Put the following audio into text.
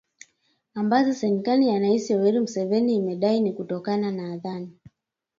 ambazo serikali ya Rais Yoweri Museveni imedai ni kutokana na athari